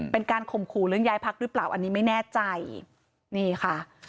เป็นการข่มขู่เรื่องย้ายพักหรือเปล่าอันนี้ไม่แน่ใจนี่ค่ะ